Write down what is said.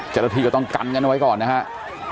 จรภีก็ต้องกันกันไว้ก่อนนะครับ